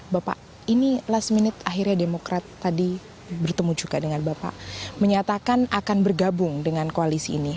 bapak ini last minute akhirnya demokrat tadi bertemu juga dengan bapak menyatakan akan bergabung dengan koalisi ini